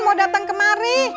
lagi datang kemari